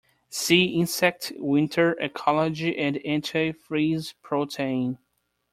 See insect winter ecology and antifreeze protein.